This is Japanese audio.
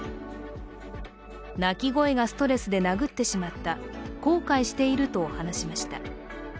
泣き声がストレスで殴ってしまった公開していると話しました。